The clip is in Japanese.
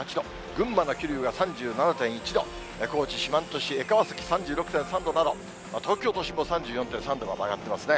群馬の桐生が３７．１度、高知・四万十市江川崎で３６．３度など、東京都心も３４．３度まで上がってますね。